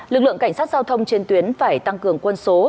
lực lượng cảnh sát giao thông trên tuyến phải tăng cường quân số